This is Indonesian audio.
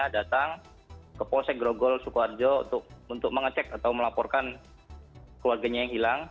datang ke polsek grogol sukoharjo untuk mengecek atau melaporkan keluarganya yang hilang